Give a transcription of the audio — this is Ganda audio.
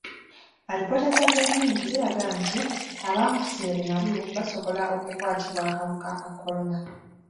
Alipoota za gavumenti ziraga nti abankuseere nabo basobola okukwatibwa akawuka ka kolona.